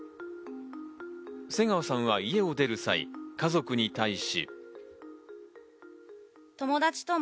瀬川さんは家を出る際、家族に対し。